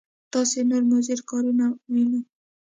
داسې نور مضر کارونه وینو.